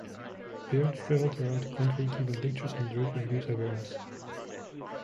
Beard traveled around the country, giving lectures on drug-abuse awareness.